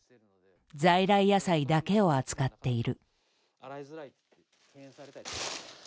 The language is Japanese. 在来野菜だけを扱っている。